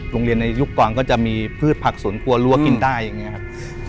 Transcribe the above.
โรงเรียนในยุคกว่างก็จะมีพืชพักสวนครัวรั่วกินได้อย่างนี้ครับ